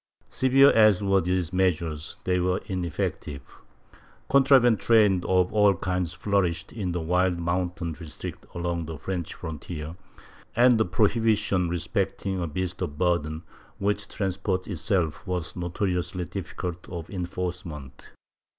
^ Severe as were these measures, they were ineffective. Contraband trade of all kinds flourished in the wild mountain districts along the French frontier, and the prohibition respecting a beast of burden, which transported itself, was notori ously difficult of enforcement.